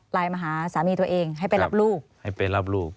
ลายมาหาสามีตัวเองให้ไปรับลูก